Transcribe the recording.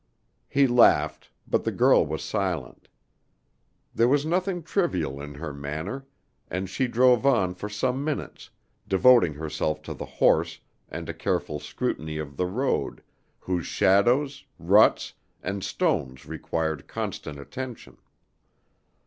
He laughed, but the girl was silent. There was nothing trivial in her manner, and she drove on for some minutes, devoting herself to the horse and a careful scrutiny of the road, whose shadows, ruts, and stones required constant attention.